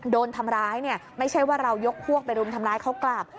โดนทำร้ายเนี่ยไม่ใช่ว่าเรายกพวกไปรุมทำร้ายเขากลับ